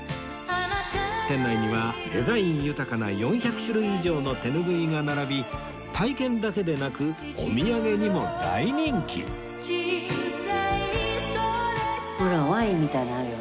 店内にはデザイン豊かな４００種類以上の手ぬぐいが並び体験だけでなくお土産にも大人気ほらワインみたいのあるよ。